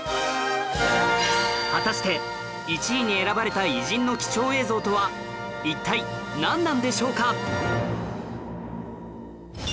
果たして１位に選ばれた偉人の貴重映像とは一体なんなのでしょうか？